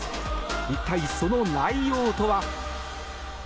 一体、その内容とは。